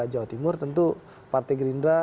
jawa timur tentu partai gerindra